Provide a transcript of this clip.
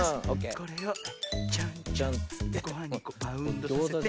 これをチョンチョンっつってごはんにバウンドさせて。